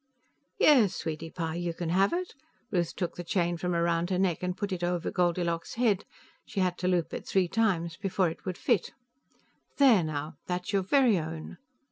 "Yes, sweetie pie, you can have it." Ruth took the chain from around her neck and put it over Goldilocks' head; she had to loop it three times before it would fit. "There now; that's your very own."